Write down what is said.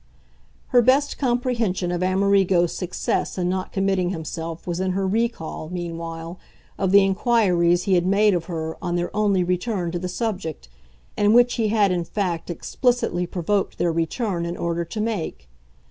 Her best comprehension of Amerigo's success in not committing himself was in her recall, meanwhile, of the inquiries he had made of her on their only return to the subject, and which he had in fact explicitly provoked their return in order to make.